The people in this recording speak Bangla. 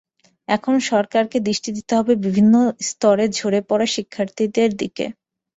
এখন সরকারকে দৃষ্টি দিতে হবে বিভিন্ন স্তরে ঝরে পড়া শিক্ষার্থীদের দিকে।